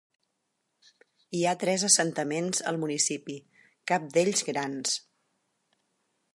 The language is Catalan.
Hi ha tres assentaments al municipi, cap d'ells grans.